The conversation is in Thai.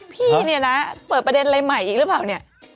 พี่เนี่ยนะเปิดประเด็นอะไรใหม่อีกหรือเปล่าเนี่ย